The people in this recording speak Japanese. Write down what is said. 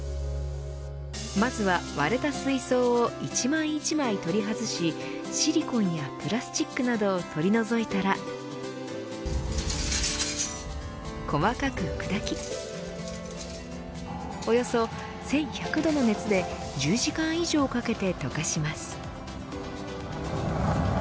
まずは割れた水槽を一枚一枚取り外しシリコンやプラスチックなどを取り除いたら細かく砕きおよそ１１００度の熱で１０時間以上かけて溶かします。